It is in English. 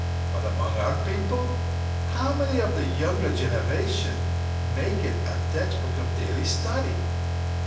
But among our people, how many of the younger generation make it a text book of daily study?